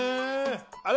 あれ？